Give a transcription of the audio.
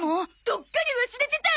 どっかり忘れてた！